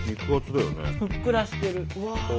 ふっくらしてる。